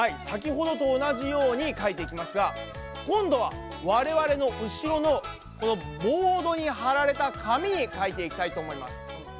先ほどと同じように書いていきますが今度は我々の後ろのこのボードにはられた紙に書いていきたいと思います。